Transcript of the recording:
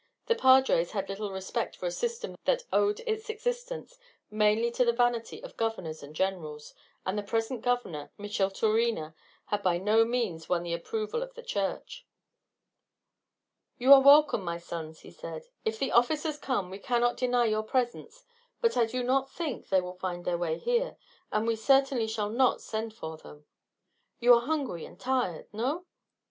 The padres had little respect for a system that owed its existence mainly to the vanity of governors and generals, and the present governor, Micheltorena, had by no means won the approval of the Church. "You are welcome, my sons," he said. "If the officers come we cannot deny your presence; but I do not think they will find their way here, and we certainly shall not send for them. You are hungry and tired, no?"